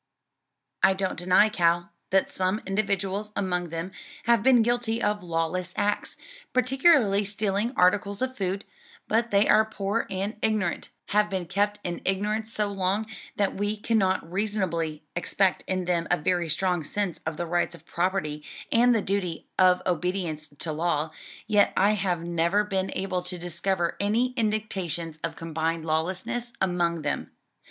"I don't deny, Cal, that some individuals among them have been guilty of lawless acts, particularly stealing articles of food; but they are poor and ignorant; have been kept in ignorance so long that we cannot reasonably expect in them a very strong sense of the rights of property and the duty of obedience to law; yet I have never been able to discover any indications of combined lawlessness among them.